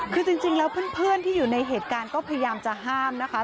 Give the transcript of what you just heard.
คือจริงแล้วเพื่อนที่อยู่ในเหตุการณ์ก็พยายามจะห้ามนะคะ